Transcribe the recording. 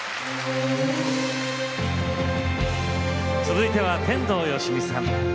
続いては天童よしみさん。